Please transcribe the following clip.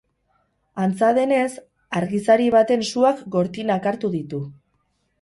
Antza denez, argizari baten suak gortinak hartu ditu.